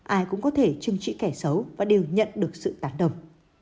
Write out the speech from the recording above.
ai cũng có thể chưng trị kẻ xấu và đều nhận được sự tán đồng